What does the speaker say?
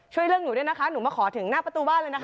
ช่วยเรื่องหนูด้วยนะคะหนูมาขอถึงหน้าประตูบ้านเลยนะคะ